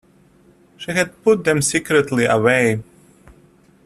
She had put them secretly away.